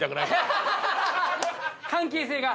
関係性が。